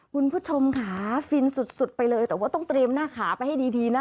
คุณผู้ชมค่ะฟินสุดไปเลยแต่ว่าต้องเตรียมหน้าขาไปให้ดีนะ